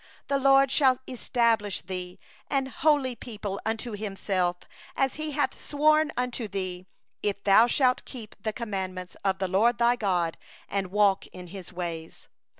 9The LORD will establish thee for a holy people unto Himself, as He hath sworn unto thee; if thou shalt keep the commandments of the LORD thy God, and walk in His ways.